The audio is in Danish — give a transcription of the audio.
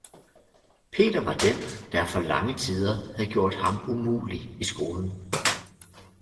Peter var den, der for lange tider havde gjort ham umulig i skolen?